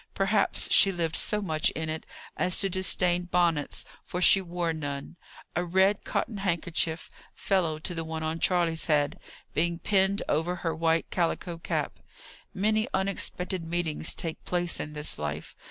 Perhaps she lived so much in it as to disdain bonnets, for she wore none a red cotton handkerchief, fellow to the one on Charley's head, being pinned over her white calico cap. Many unexpected meetings take place in this life.